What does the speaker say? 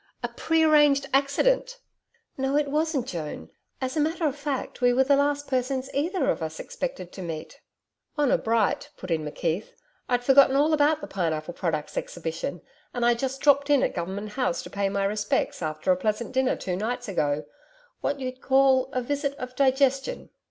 'A prearranged accident!' 'No it wasn't, Joan. As a matter of fact, we were the last persons either of us expected to meet.' 'Honour bright,' put in McKeith. 'I'd forgotten all about the Pineapple Products Exhibition, and I just dropped in at Government House to pay my respects after a pleasant dinner two nights ago What you'd call a visit of digestion.'